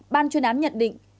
ban chuyên án nhận định